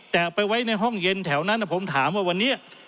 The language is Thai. แต่ไปไว้ในห้องเย็นแถวนั้นผมถามว่าวันนี้